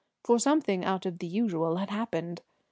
For something out of the usual had happened.